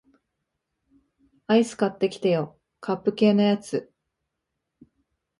アイス買ってきてよ、カップ系のやつ